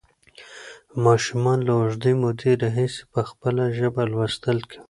ماشومان له اوږدې مودې راهیسې په خپله ژبه لوستل کوي.